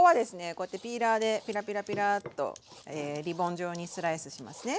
こうやってピーラーでピラピラピラーッとリボン状にスライスしますね。